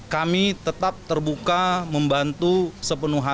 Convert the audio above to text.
kami tetap terbuka membantu sepenuh hati